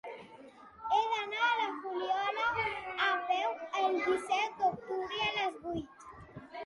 He d'anar a la Fuliola a peu el disset d'octubre a les vuit.